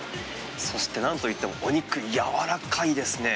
そしてなんといってもお肉、柔らかいですね。